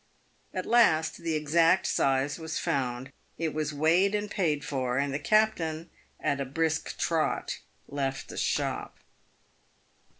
At last the exact size was found ; it was weighed and paid for ; and the captain, at a brisk trot, left the shop.